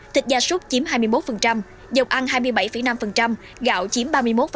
thịt da súc chiếm hai mươi một dầu ăn hai mươi bảy năm gạo chiếm ba mươi một